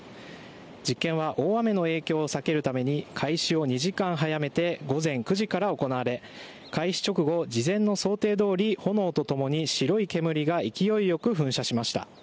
実験は大雨の影響を避けるために開始を２時間早めて午前９時から行われ開始直後、事前の想定どおり炎とともに白い煙が勢いよく噴射しました。